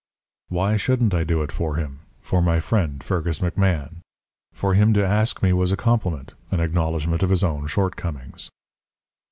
"Why shouldn't I do it for him for my friend, Fergus McMahan? For him to ask me was a compliment an acknowledgment of his own shortcomings.